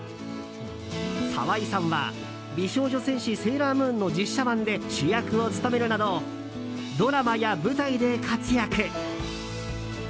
沢井さんは「美少女戦士セーラームーン」の実写版で主役を務めるなどドラマや舞台で活躍。